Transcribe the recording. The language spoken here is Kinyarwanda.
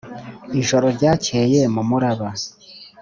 ijoro ryakeye mumuraba